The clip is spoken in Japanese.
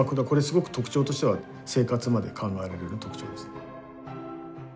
これすごく特徴としては生活まで考えられる特徴です。